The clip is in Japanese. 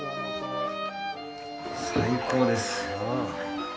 最高です。